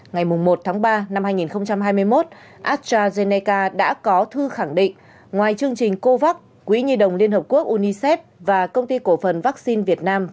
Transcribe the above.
ngày một ba hai nghìn hai mươi một astrazeneca đã có thư khẳng định ngoài chương trình covax và công ty cổ phần vaccine việt nam